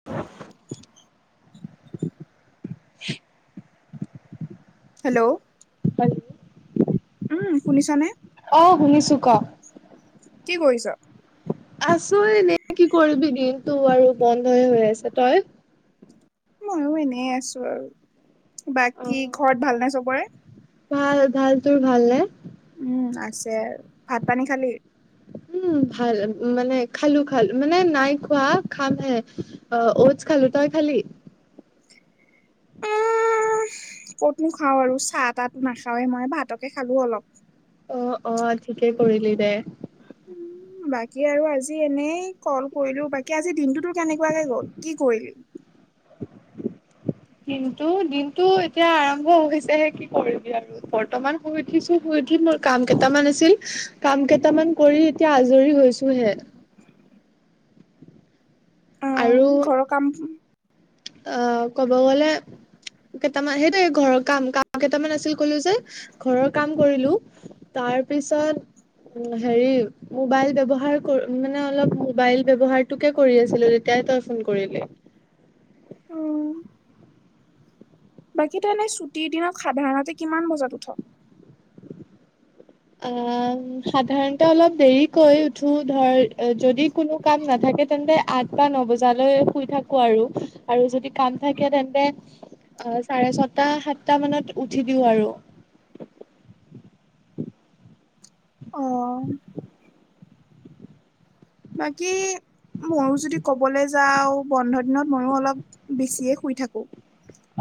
[inaudible] [inaudible] Hello, hello, উম, শুনিছানে? অ, শুনিছো ক। কি কৰিছ? আছো এনে, কি কৰিবি দিনতটো আৰু বন্ধই হৈ আছে। তই? মইয়ো এনে আছো আৰু বাকী ঘৰত ভালনে চ'বৰে? ভাল ভাল, তোৰ ভাল নে? উম, আছে আৰু ভাত-পানী খালি? উম, ভাল মানে খালো, খালো মানে নাই খোৱা, খাম হে অ, ঔটছ খালো। তই খালি? উম ক'তনো খাওঁ আৰু চাহ তাহো নাখাৱে মই ভাতকে খালো অলপ। অ, অ, ঠিকেই কৰিলি দে। উম, বাকী আৰু আজি এনেই ক'ল কৰিলো, বাকী আজি দিনটোতো কেনেকুৱাকে গ'ল কি কৰিলি? কিন্তু দিনটো এতিয়া আৰম্ভ হৈছেহে, কি কৰিবি আৰু। বৰ্তমান শুই উঠিছোঁ, শুই উঠি মোৰ কাম কেইটামান আছিল কাম কেইটামান কৰি এতিয়া আজৰি হৈছোঁ। [inaudible] অ আৰু ঘৰৰ কাম অ', ক'ব গ'লে কেটামান সেইটোয়ে ঘৰৰ কাম কাম কেটামান আছিল ক'লো যে ঘৰৰ কাম কৰিলো। তাৰ পিছত উ হেৰি মোবাইল ব্যৱহাৰ কৰ মানে অলপ মোবাইল ব্যৱহাৰটোকে কৰি আছিলোঁ। তেতিয়াই তই ফোন কৰিলি। অ'। বাকী তই এনেই ছুটিৰ দিনত সাধাৰণতে কিমান বজাত উঠ? অ', সাধাৰণতে অলপ দেৰিকৈ উঠো। ধৰ যদি কোনো কাম নাথাকে তেন্তে আঠ বা ন বজালৈ শুই থাকোঁ আৰু। আৰু যদি কাম থাকে তেন্তে অ', চাৰে ছটা সাতটা মানত উঠি দিওঁ আৰু। অ'। বাকী মোৰ যদি ক'বলৈ যাওঁ বন্ধ দিনত ময়ো অলপ বেছিয়ে শুই থাকো।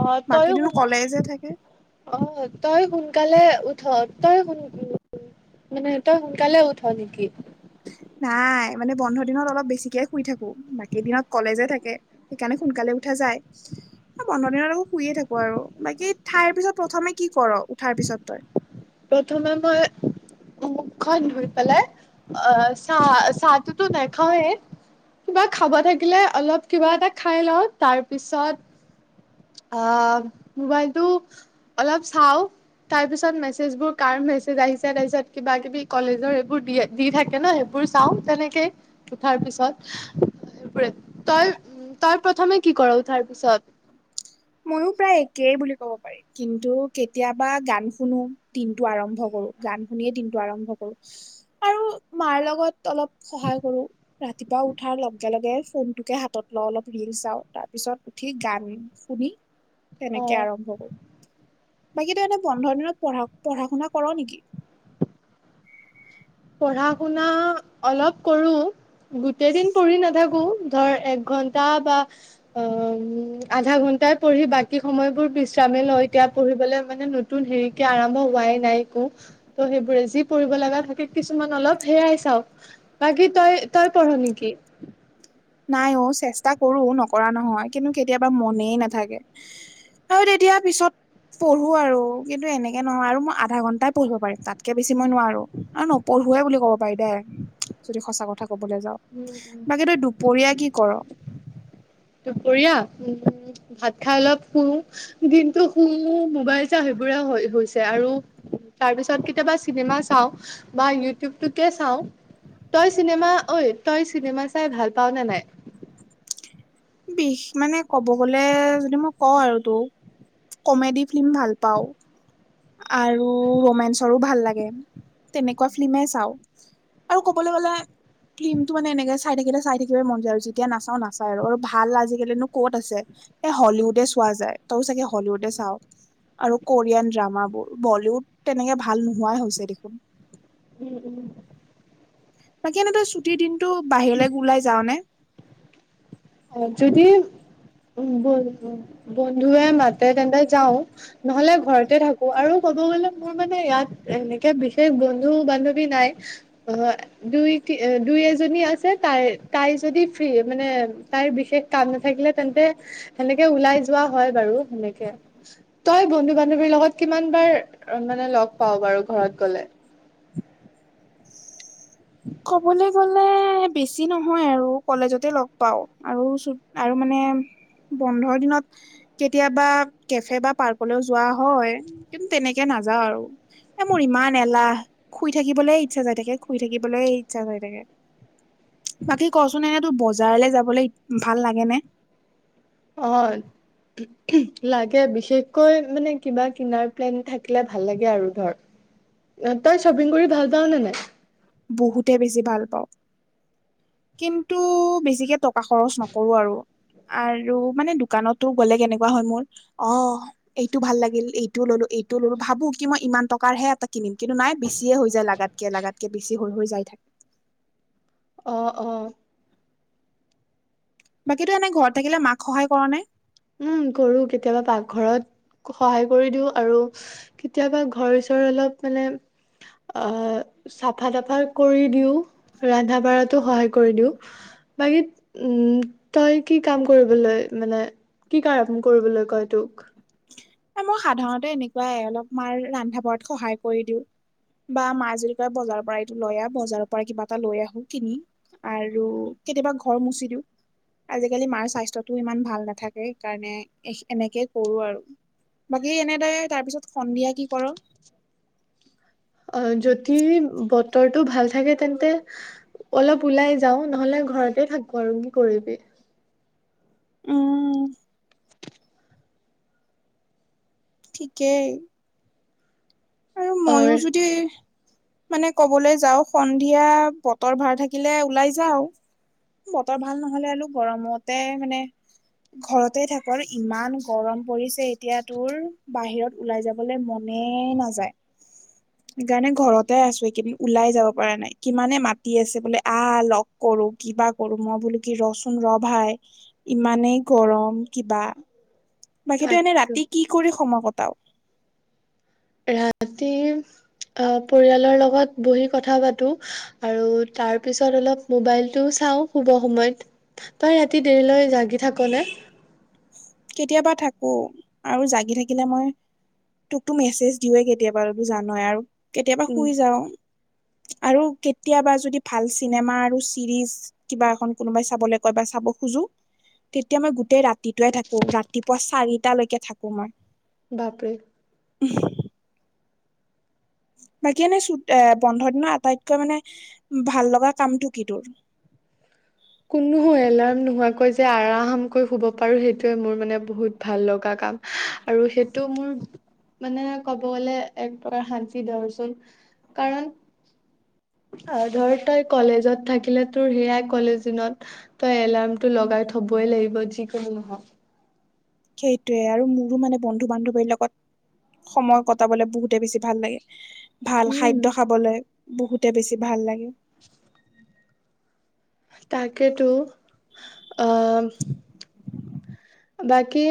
অ', বাকী তয়ো শু দিনো কলেজে থাকে অ', তই সোনকালে উঠ। তই সোন মানে তই সোনকালে উঠ নেকি? নাই মানে বন্ধ দিনত অলপ বেছিকে শুই থাকো। বাকী দিনত কলেজে থাকে। সেইকাৰণে সোনকালে উঠা যায়। অ', বন্ধ দিনত আকৌ শুয়ে থাকো আৰু। বাকী ঠাইৰ পিছত প্ৰথমে কি কৰ উঠাৰ পিছত তই? প্ৰথমে মই মুখখন ধুই পেলাই অ', চা চাহতোটো নাখাওঁৱে। কিবা খাব থাকিলে অলপ কিবা এটা খাই লওঁ। তাৰপিছত অ', মোবাইলটো অলপ চাওঁ। তাৰ পিছত মে মেচেজবোৰ কাৰ মেছেজ আহিছে। তাৰ পিছত কিবা-কিবি কলেজৰ এইবোৰ দিয়ে দি থাকে ন সেইবোৰ চাওঁ। তেনেকেই উঠাৰ পিছত। তই তই প্ৰথমে কি কৰ উঠাৰ পিছত? ময়ো প্ৰায় একেই বুলি ক'ব পাৰিম। কিন্তু কেতিয়াবা গান শুনো, দিনটো আৰম্ভ কৰোঁ। গান শুনিয়ে দিনটো আৰম্ভ কৰোঁ। আৰু মাৰ লগত অলপ সহায় কৰো। ৰাতিপুৱা উঠাৰ লগে লগে ফোনটোকে হাতত লওঁ। অলপ ৰীলচ চাওঁ। তাৰপিছত উঠি গান শুনি অ' তেনেকে আৰম্ভ কৰোঁ। বাকী তই এনে বন্ধৰ দিনত পঢ়া পঢ়া-শুনা কৰ নেকি? পঢ়া-শুনা অলপ কৰোঁ। গোটেই দিন পঢ়ি নাথাকো। ধৰ এক ঘণ্টা বা অ', উম, আধা ঘন্টাই পঢ়ি বাকী সময়বোৰ বিশ্ৰামেই লয় এতিয়া পঢ়িবলৈ মানে নতুন হেৰিকে আৰম্ভ হোৱাই নাই একো। ত' সেইবোৰে। যি কৰিব লগা থাকে কিছুমান অলপ হেয়াই চাওঁ। বাকী তই তই পঢ় নেকি? নাই অ', চেষ্টা কৰো, নকৰা নহয় কিন্তু কেতিয়াবা মনেই নাথাকে। আৰু তেতিয়া পিছত পঢ়ো আৰু। কিন্তু এনেকে নহয় আৰু মই আধা ঘন্টাই পঢ়িব পাৰিম। তাতকে বেছি মই নোৱাৰো। আৰু ন পঢ়োৱে বুলি ক'ব পাৰি দে যদি সঁচা কথা ক'বলৈ যাওঁ। বাকী তই দুপৰীয়া কি কৰ? দুপৰীয়া উম ভাত খাই অলপ শু। দিনতো শু, মোবাইল চাওঁ সেইবোৰে হৈ হৈছে আৰু। তাৰ পিছত কেতিয়াবা চিনেমা চাওঁ বা ইউটিউবটোকে চাওঁ। তই চিনেমা ঐ তই চিনেমা চাই ভাল পাৱ নে নাই? বিষ মানে ক'ব গ'লে যদি মই কওঁ আৰু তোক কমেডী ফিল্ম ভাল পাওঁ। আৰু ৰোমেঞ্চৰো ভাল লাগে। তেনেকুৱা ফিল্মে চাওঁ। আৰু ক'বলৈ গ'লে ফিল্মটো মানে এনেকে চাই থাকিলে চাই থাকিবই মন যায় আৰু। যেতিয়া নাচাওঁ নাচায় আৰু ভাল আজিকালিনো ক'ত আছে। হলিউডে চোৱা যায় তইও চাগে হলিউডে চাও আৰু কোৰিয়ান ড্ৰামা বলীউড তেনেকে ভাল নোহোৱাই হৈছে দেখোন। উম, উম। বাকী এনেই তই ছুটিৰ দিনতো বাহিৰলৈ ওলাই যাও নে? অ', যদি বন্ধুৱে মাতে তেন্তে যাও। নহলে ঘৰতে থাকো, আৰু ক'ব গ'লে মোৰ মানে ইয়াত এনেকে বিশেষ বন্ধু বান্ধৱী নাই। অ', দুই দুই এজনী আছে, তাই তাই যদি ফ্ৰী মানে তাইৰ বিশেষ কাম নাথাকিলে তেন্তে সেনেকে ওলাই যোৱা হয়, বাৰু সেনেকে। তই বন্ধু বান্ধৱীৰ লগত কিমান বাৰ মানে লগ পাও বাৰু ঘৰত গ'লে? ক'বলৈ গ'লে বেছি নহয় আৰু কলেজতে লগ পাওঁ আৰু আৰু মানে বন্ধৰ দিনত কেতিয়াবা কেফে বা পাৰ্কলৈ যোৱা হয় কিন্তু তেনেকে নাযাওঁ আৰু। এ মোৰ ইমান এলাহ, শুই থাকিবলৈ ইচ্ছা যাই থাকে, শুই থাকিবলৈ ইচ্ছা যাই থাকে। বাকী কচোন এনে তোৰ বজাৰলৈ যাবলৈ ভাল লাগে নে? অ'। লাগে বিশেষকৈ মানে কিবা কিনাৰ প্লেন থাকিলে ভাল লাগে আৰু ধৰ। তই শ্বপিং কৰি ভাল পা নে নাই? বহুতে বেছি ভাল পাওঁ, কিন্তু বেছিকে টকা খৰচ নকৰো আৰু আৰু মানে দোকানতো গলে কেনেকুৱা হয়, মোৰ অ' এইটো ভাল লাগিল এইটোও ললো এইটোও ললো ভাবো কি মই ইমান টকাৰহে এ কিনিম কিন্তু নাই বেছিয়ে হৈ যায় লাগাতকে লাগাতকে বেছি হৈ যায় থাকে। অ', অ'। বাকী তই এনে ঘৰত থাকিলে মাক সহায় কৰা নে? উম, কৰো কেতিয়াবা পাকঘৰত সহায় কৰি দিওঁ আৰু কেতিয়াবা ঘৰ-চৰ অলপ মানে আহ, চাফা-তাফা কৰি দিওঁ। ৰন্ধা-বঢ়াতো সহায় কৰি দিও বাকী উম, তই কি কাম কৰিবলৈ মানে কি কাম কৰিবলৈ কয় তোক? এই মই সাধাৰণতে এনেকুৱাই অলপ মান ৰন্ধা-বঢ়াত সহায় কৰি দিওঁ। বা মায়ে যদি কয় বজাৰৰ পৰা এইটো লৈ আহ, বজাৰৰ পৰা কিবা এটা লৈ আহো কিনি। আৰু কেতিয়াবা ঘৰ মুচি দিওঁ। আজিকালি মাৰ স্বাস্থ্যটোও ইমান ভাল নাথাকে, সেইকাৰণে এনেকে কৰো আৰু। বাকী এনে তই তাৰ পিছত সন্ধিয়া কি কৰ? অ', যদি বতৰটো ভাল থাকে তেন্তে অলপ ওলাই যাও, নহলে ঘৰতে থাকো আৰু কি কৰিবি। উম। ঠিকেই। আৰু অ মইও যদি মানে কবলৈ যাও সন্ধিয়া বতৰ ভাল থাকিলে ওলাই যাও। বতৰ ভাল নহলে আৰু গৰমতে মানে ঘৰতে থাকো আৰু ইমান গৰম পৰিছে এতিয়া তোৰ। বাহিৰত ওলাই যাবলৈ মনে নাযায়। সেইকাৰণে ঘৰতে আছো, এইকেইদিন ওলাই যাব পৰা নাই কিমানে মাতি আছে বোলে আহ, লগ কৰো কিবা কৰো মই বোলো কি ৰচোন ৰ ভাই ইমানেই গৰম কিবা। বাকী তই এনে তাকেতো ৰাতি কি কৰি সময় কটাৱ? ৰাতি আহ, পৰিয়ালৰ লগত বহি কথা পাতো। আৰু তাৰ পিছত অলপ মোবাইলটোও চাওঁ শুৱা সময়ত। তই ৰাতি দেৰিলৈ জাগি থাক নে? কেতিয়াবা থাকো, আৰু জাগি থাকিলে মই তোকতো মেছেজ দিও কেতিয়াবা জানই আৰু কেতিয়াবা উম শুই যাও। আৰু কেতিয়াবা যদি ভাল চিনেমা আৰু চিৰিজ কিবা এখন কোনোবাই চাবলৈ কয় বা চাব খোজো তেতিয়া মই গোটেই ৰাতি ৰাতিটোয়ে থাকো ৰাতিপুৱা চাৰিটালৈকে থাকো মই। বাপৰে। [unintelligible] বাকী এনে চু এ বন্ধৰ দিনৰ আটাইতকৈ মানে ভাল লগা কামটো কি তোৰ? কোনো এলাৰ্ম নোহোৱাকৈ যে আৰামকৈ শুব পাৰো সেইটোৱে মোৰ মানে বহুত ভাল লগা কাম। আৰু সেইটো মোৰ মানে ক'ব গ'লে এক প্ৰকাৰ শান্তি ধৰচোন। কাৰণ ধৰ তই কলেজত থাকিলে তোৰ সেয়াই কলেজ দিনত তই এলাৰ্ম টো লগাই থবই লাগিব যিকোনো নহওঁক। সেইটোয়ে আৰু মোৰো মানে বন্ধু বান্ধৱীৰ লগত সময় কটাবলে বহুতে বেছি ভাল লাগে। ভাল উম খাদ্য খাবলৈ বহুতে বেছি ভাল লাগে। তাকেতো, আহ বাকী?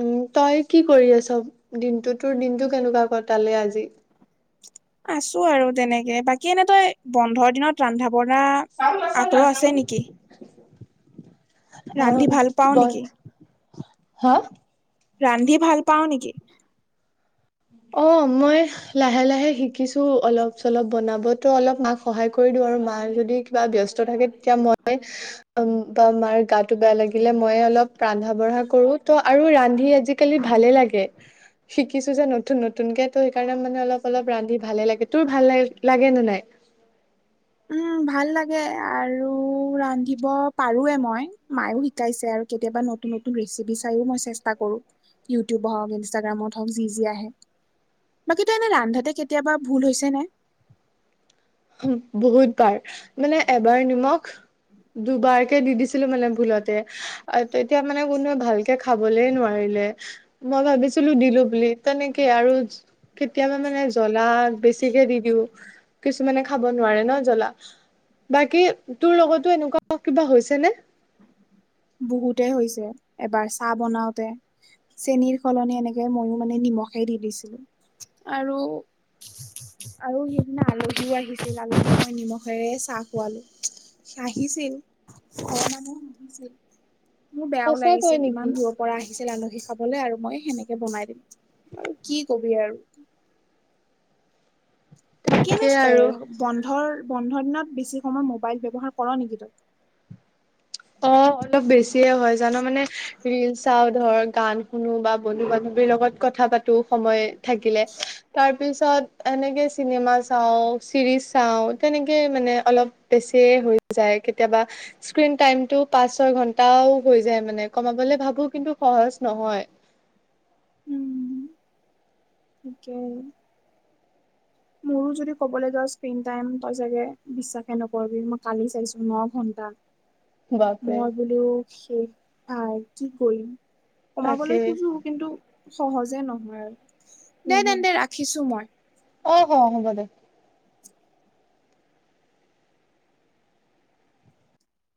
উম, তই কি কৰি আছ দিনটো তোৰ দিনটো কেনেকুৱা কটালে আজি? আছো আৰু তেনেকে, বাকী এনে তই বন্ধৰ দিনত ৰন্ধা বঢ়া চাউল আগ্ৰহ আছে নেকি? ৰান্ধি আৰু ভাল পাও ব নেকি? হা [unintelligible] ৰান্ধি ভাল পাৱ নেকি? অ' মই লাহে লাহে শিকিছো অলপ চলপ বনাব। টো অলপ মাক সহায় কৰি দিওঁ আৰু, মা যদি কিবা ব্যস্ত থাকে তেতিয়া মই বা মাৰ গাটো বেয়া লাগিলে মই অলপ ৰন্ধা বঢ়া কৰো, ত আৰু ৰান্ধি আজি কালি ভালে লাগে, শিকিছো যে ন নতুনকে তো সেইকাৰণে মানে অলপ অলপ ৰান্ধি ভালে লাগে, তোৰ ভাল ল লাগে নে নাই? উম ভাল লাগে আৰু ৰান্ধিব পাৰোৱে মই মায়েএ শিকাইছে, আৰু কেতিয়াবা ন নতুন ৰেচিপি চাইও মই চেষ্টা কৰো, ইউটিউবৰ হওঁক ইনষ্টাগ্ৰামত হওঁক যি যি আহে। বাকী তো এনে ৰান্ধাতে কেতিয়াবা ভুল হৈছে নে? বহুতবাৰ মানে এবাৰ নিমখ দুবাৰকে দি দিছো ছিলো মানে ভুলতে, তেতিয়া মানে কোনোৱে ভালকে খাবলে নোৱাৰিলে। মই ভাবিছিলো দিলো বুলি তেনেকে আৰু। কেতিয়াবা মানে জ্বলা বেছিকে দি দিওঁ। মানে খাব নোৱাৰে ন জ্বলা, বাকী তোৰ লগতো এনেকুৱা কিবা হৈছে নে? বহুতে হৈছে, এবাৰ চাহ বনাওতে চেনীৰ সলনি এনেকে ময়ো মানে নিমখে দি দিছিলো, আৰু আৰু সেইদিনা আলহীও আহিছিল, আলহীক মই নিমখেৰে চাহ খোৱালো। হাঁহিছিল, ঘৰ মানুহ হাঁহিছিল মোৰ বেয়াও সঁচাকৈ লাগিছিল নেকি ইমান দূৰত পৰা আহিছিল আলহী খাবলৈ আৰু মই সেনেকে বনাই দিলো আৰু কি কবি আৰু। বাকী এনে তাকে এ আৰু বন্ধৰ বন্ধৰ দিনত বেছি সময় মোবাইল ব্যৱহাৰ কৰ নেকি তই? অ' অলপ বেছিয়ে হয় জান মানে হয় [unintelligible] ৰিল চাওঁ ধৰ গান শুনো বা বন্ধু বান্ধৱীৰ লগত কথা পাতো সময়ে থাকিলে, তাৰ তাৰ পিছত এনেকে চিনেমা চাওঁ, চিৰিজ চাওঁ, তেনেকে মানে অলপ বেছিয়ে হৈ যায়। কেতিয়াবা স্ক্ৰীন টাইম টো পাঁচ ছয় ঘন্টাও হৈ যায় মানে, কমাবলে ভাবো কিন্তু সহজ নহয়। উম, সে মোৰো যদি কবলৈ যাওঁ স্ক্ৰীন টাইম তই চাগে বিশ্বাসে নকৰিবি মই কালি চাইছো ন ঘণ্টা। বাপৰে মই বোলো শেষ ভাই, কি কৰিম তাকে কমাবলৈ খোজো কিন্তু সহজে নহয় আৰু দে উম তেন্তুে দে ৰাখিছো মই। অ', হ' হ'ব দে।